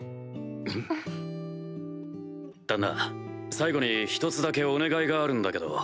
旦那最後に１つだけお願いがあるんだけど。